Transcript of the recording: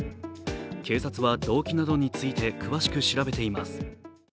警察は動機などについて詳しく調べています。